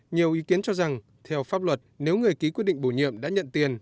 nhiều ý kiến cho rằng theo pháp luật nếu người ký quyết định bổ nhiệm đã nhận tiền